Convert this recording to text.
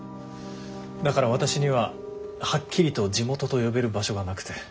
だから私にははっきりと地元と呼べる場所がなくて。